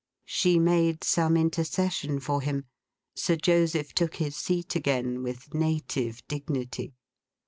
She made some intercession for him. Sir Joseph took his seat again, with native dignity.